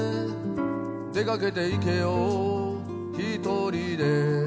「出かけていけよ一人で」